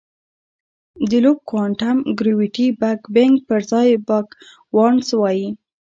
د لوپ کوانټم ګرویټي بګ بنګ پر ځای بګ باؤنس وایي.